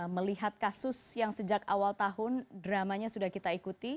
melihat kasus yang sejak awal tahun dramanya sudah kita ikuti